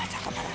hah cakep banget